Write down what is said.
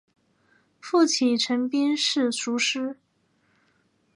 父亲陈彬是塾师。